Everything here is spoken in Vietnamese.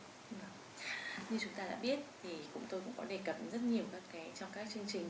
như chúng ta đã biết tôi cũng có đề cập rất nhiều trong các chương trình